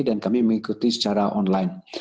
dan kami mengikuti secara online